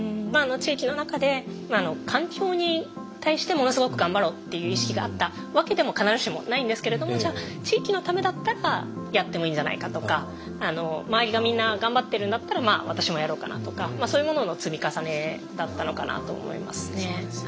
あの地域の中で環境に対してものすごく頑張ろうっていう意識があったわけでも必ずしもないんですけれどもじゃあ地域のためだったらやってもいいんじゃないかとか周りがみんな頑張ってるんだったらまあ私もやろうかなとかそういうものの積み重ねだったのかなと思いますね。